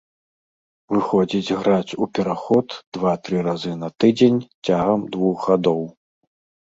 Выходзіць граць у пераход два-тры разы на тыдзень цягам двух гадоў.